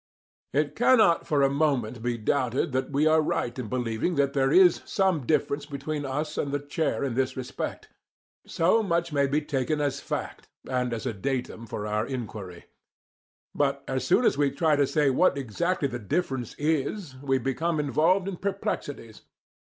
It cannot for a moment be doubted that we are right in believing that there is SOME difference between us and the chair in this respect: so much may be taken as fact, and as a datum for our inquiry. But as soon as we try to say what exactly the difference is, we become involved in perplexities.